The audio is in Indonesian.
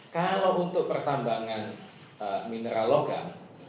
kalau untuk pertambangan mineral lokal